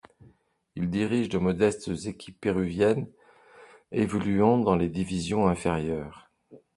Il dirige de modestes équipes péruviennes évoluant dans les divisions inférieures.